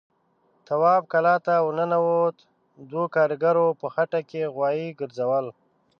تواب کلا ته ور ننوت، دوو کاريګرو په خټه کې غوايي ګرځول.